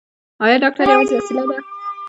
ایا ډاکټر یوازې وسیله ده؟